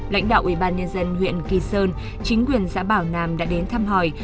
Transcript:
lãnh đạo ủy ban nhân dân huyện kỳ sơn chính quyền giã bảo nam đã đến thăm hỏi